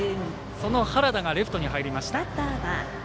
その原田がレフトに入りました。